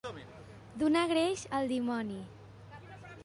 Donar greix al dimoni.